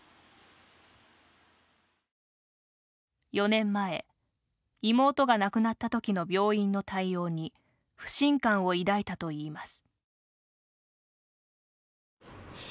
４年前、妹が亡くなったときの病院の対応に不信感を抱いたといいます。